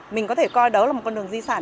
mình có thể coi đó là một con đường di sản